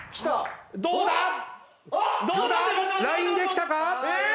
⁉どうだ⁉ラインできたか？